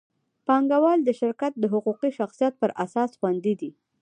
پانګهوال د شرکت د حقوقي شخصیت پر اساس خوندي دي.